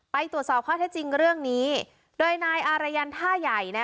ไปตรวจสอบข้อเท็จจริงเรื่องนี้โดยนายอารยันท่าใหญ่นะ